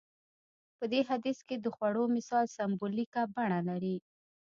په دې حديث کې د خوړو مثال سمبوليکه بڼه لري.